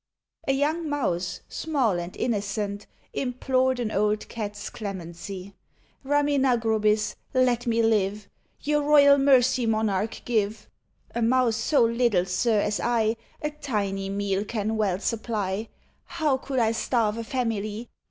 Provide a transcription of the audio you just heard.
A young Mouse, small and innocent, Implored an Old Cat's clemency: "Raminagrobis, let me live! Your royal mercy, monarch, give! A Mouse so little, sir, as I A tiny meal can well supply. How could I starve a family?